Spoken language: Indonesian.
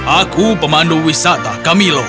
aku pemandu wisata camilo